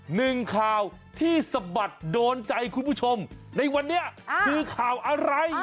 หนึ่งข่าวที่สะบัดโดนใจคุณผู้ชมในวันนี้คือข่าวอะไร